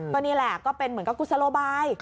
ก็นี่แหละก็เป็นเหมือนกับกุศโลบาย